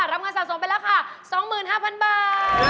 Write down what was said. รับเงินสะสมเป็นราคา๒๕๐๐๐บาท